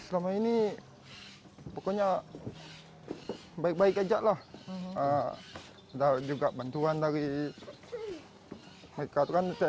hai selama ini pokoknya baik baik aja lah ah dar juga bantuan dari mereka ternyata